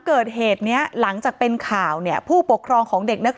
เกิดเหตุเนี่ยหลังจากเป็นข่าวเนี่ยผู้ปกครองของเด็กนัก